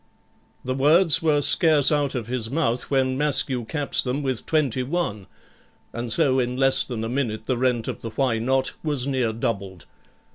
The words were scarce out of his mouth when Maskew caps them with 21, and so in less than a minute the rent of the Why Not? was near doubled.